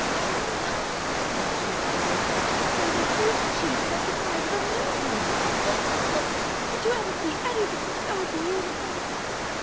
'How lucky!' cried she to the wolf. 'There is a huge cheese about the size of a mill wheel. Look! look! did you ever see anything so beautiful!